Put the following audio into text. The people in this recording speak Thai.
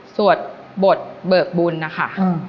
สวดบทเบิกบุญนะคะ